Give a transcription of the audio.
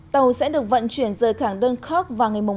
tàu sẽ được vận chuyển rời cảng dunkirk vào ngày hai tháng chín